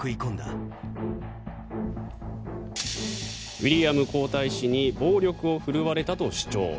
ウィリアム皇太子に暴力を振るわれたと主張。